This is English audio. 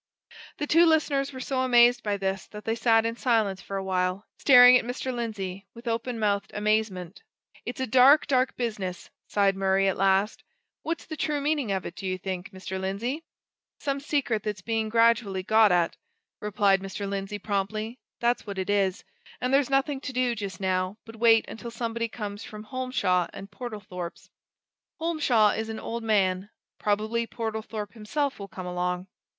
The two listeners were so amazed by this that they sat in silence for a while, staring at Mr. Lindsey with open mouthed amazement. "It's a dark, dark business!" sighed Murray at last. "What's the true meaning of it, do you think, Mr. Lindsey?" "Some secret that's being gradually got at," replied Mr. Lindsey, promptly. "That's what it is. And there's nothing to do, just now, but wait until somebody comes from Holmshaw and Portlethorpe's. Holmshaw is an old man probably Portlethorpe himself will come along.